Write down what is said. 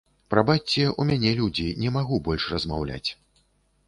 Прабачце, у мяне людзі, не магу больш размаўляць.